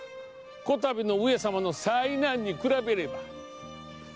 こたびの上様の災難に比べれば！